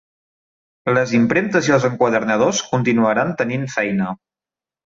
Les impremtes i els enquadernadors continuaran tenint feina.